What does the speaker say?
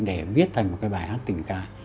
để viết thành một cái bài hát tình ca